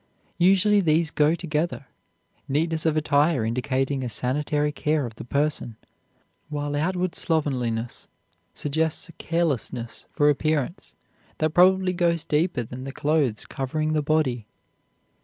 Usually these go together, neatness of attire indicating a sanitary care of the person, while outward slovenliness suggests a carelessness for appearance that probably goes deeper than the clothes covering the body.